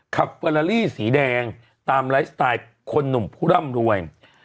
ขับเฟอลาลี่สีแดงตามไลฟ์สไตล์คนหนุ่มผู้ร่ำรวย